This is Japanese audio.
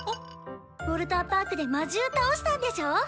ウォルターパークで魔獣倒したんでしょ？